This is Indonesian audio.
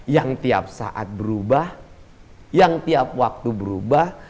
yang tiap saat berubah yang tiap waktu berubah